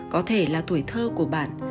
có thể là tuổi thơ của bạn